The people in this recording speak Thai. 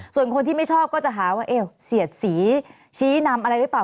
ส่วนคนที่ไม่ชอบก็จะหาว่าเสียดสีชี้นำอะไรหรือเปล่า